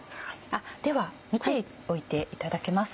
では見ておいていただけますか？